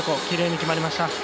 きれいに決まりました。